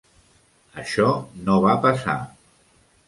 Això no va passar.